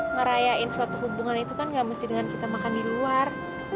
ngerayain suatu hubungan itu kan gak mesti dengan kita makan di luar